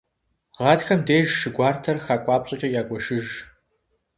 Гъатхэм деж шы гуартэр хакӏуапщӏэкӏэ ягуэшыж.